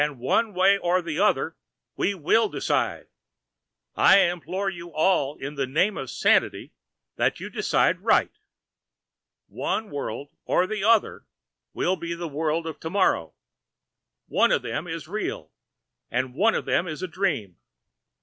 One way or the other, we will decide. I implore you all in the name of sanity that you decide right. One world or the other will be the world of tomorrow. One of them is real and one of them is a dream.